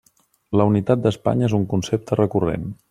La unitat d'Espanya és un concepte recurrent.